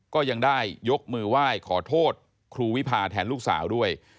ก็ยังได้ยกมือไหว้ขอโทษครูวิพาแทนลูกสาวด้วย